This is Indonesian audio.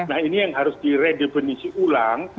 nah ini yang harus diredefinisi ulang